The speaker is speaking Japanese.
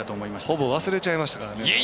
ほぼ忘れちゃいました。